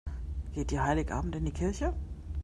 Geht ihr Heiligabend in die Kirche?